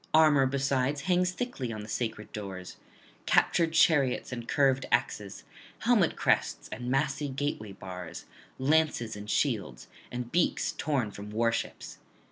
Armour besides hangs thickly on the sacred doors, captured chariots and curved axes, helmet crests and massy gateway bars, lances and shields, and beaks torn from warships.